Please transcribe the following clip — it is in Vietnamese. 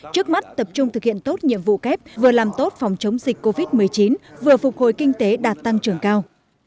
trước mắt tập trung thực hiện tốt nhiệm vụ kép vừa làm tốt phòng chống dịch covid một mươi chín vừa phục hồi kinh tế đạt tăng trưởng cao